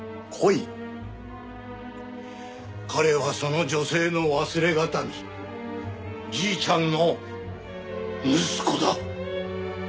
彼はその女性の忘れ形見じいちゃんの息子だ。